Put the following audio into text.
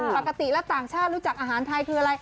ปกติแล้วต่างชาติรู้จักอาหารไทยคืออะไร